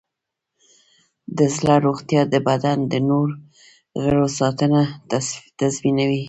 د زړه روغتیا د بدن د نور غړو ساتنه تضمینوي.